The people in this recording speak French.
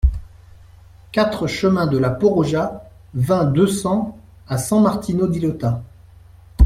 quatre chemin de la Porraja, vingt, deux cents à San-Martino-di-Lota